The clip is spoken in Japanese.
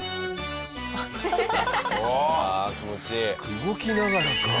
動きながらか。